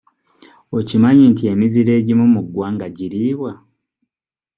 Okimanyi nti emiziro egimu mu ggwanga giriibwa?